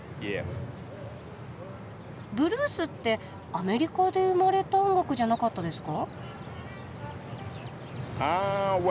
ブルースってアメリカで生まれた音楽じゃなかったですか？